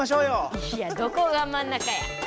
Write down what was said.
いやどこが真ん中や！